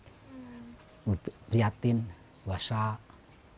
jangan sebenarnya awal keresik